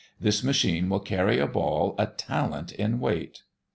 This machine will carry a ball a talent in weight."